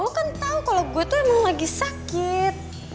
lo kan tahu kalau gue tuh emang lagi sakit